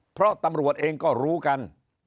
เพราะตำรวจเองก็รู้กัน